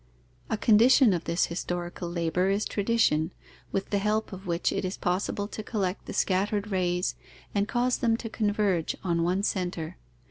A condition of this historical labour is tradition, with the help of which it is possible to collect the scattered rays and cause them to converge on one centre.